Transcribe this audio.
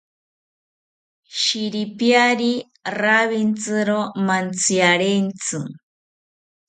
Shiripiari rawintziro mantziarentsi